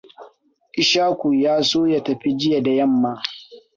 Ishaku ya so ya tafi jiya da yamma.